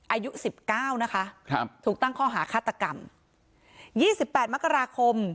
อายุสิบเก้านะคะครับถูกตั้งข้อหาฆาตกรรมยี่สิบแปดมกราคม